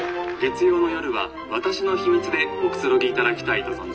月曜の夜は『私の秘密』でおくつろぎいただきたいと」。